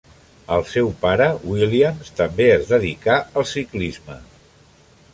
El seu pare William també es dedicà al ciclisme.